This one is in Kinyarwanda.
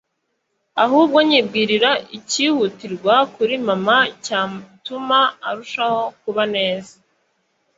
ahubwo nyibwirira icyihutirwa kuri mama cyatuma arushaho kuba neza